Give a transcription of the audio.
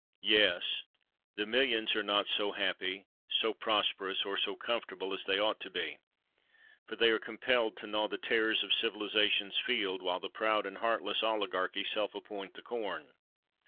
Yes: the millions are not so happy, so prosperous, or so comfortable as they ought to be;—for they are compelled to gnaw the tares of civilisation's field, while the proud and heartless oligarchy self appropriate the corn!